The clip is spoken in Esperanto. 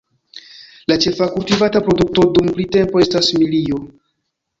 La ĉefa kultivata produkto dum printempo estas milio.